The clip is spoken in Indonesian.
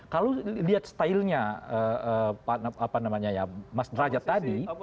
kalau lihat stylenya mas derajat tadi